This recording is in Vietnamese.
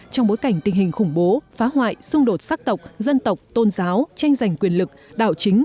trong bối cảnh tình hình khủng bố phá hoại xung đột sắc tộc dân tộc tôn giáo tranh giành quyền lực đảo chính